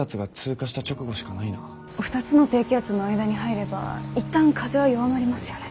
２つの低気圧の間に入れば一旦風は弱まりますよね？